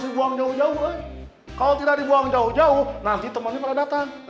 abah lagi butuh penonor darah